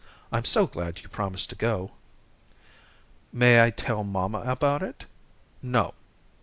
I'm so glad you promised to go." "May I tell mamma about it?" "No."